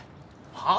はあ？